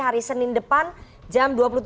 hari senin depan jam dua puluh tiga